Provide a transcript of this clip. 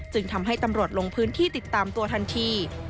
ทำให้ตำรวจลงพื้นที่ติดตามตัวทันที